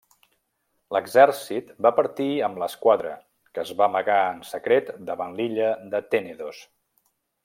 L'exèrcit va partir amb l'esquadra, que es va amagar en secret davant l'illa de Tènedos.